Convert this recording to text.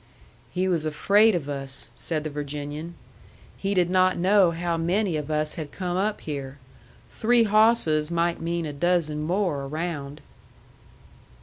"He was afraid of us," said the Virginian. "He did not know how many of us had come up here. Three hawsses might mean a dozen more around."